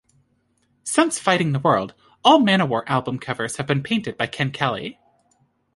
Since "Fighting The World", all Manowar album covers have been painted by Ken Kelly.